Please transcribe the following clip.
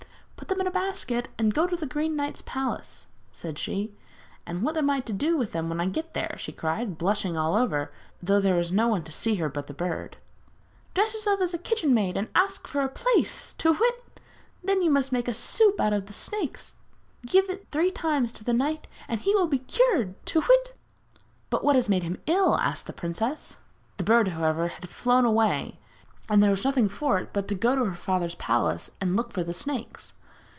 'Put them in a basket and go to the Green Knight's palace,' said she. 'And what am I to do with them when I get there?' she cried, blushing all over, though there was no one to see her but the bird. 'Dress yourself as a kitchen maid and ask for a place. Tu whit! Then you must make soup out of the snakes. Give it three times to the knight and he will be cured. Tu whit!' 'But what has made him ill?' asked the princess. The bird, however, had flown away, and there was nothing for it but to go to her father's palace and look for the snakes.